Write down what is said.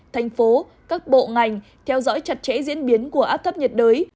thành phố các bộ ngành theo dõi chặt chẽ diễn biến của áp thấp nhiệt đới